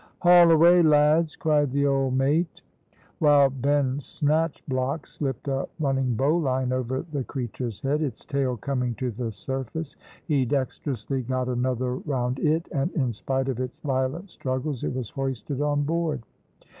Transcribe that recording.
"Haul away, lads!" cried the old mate. While Ben Snatchblock slipped a running bowline over the creature's head, its tail coming to the surface, he dexterously got another round it, and, in spite of its violent struggles, it was hoisted on board.